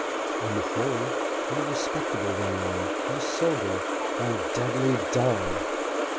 On the whole how respectable they are, how sober, how deadly dull!